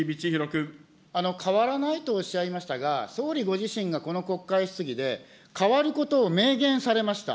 変わらないとおっしゃいましたが、総理ご自身がこの国会質疑で変わることを明言されました。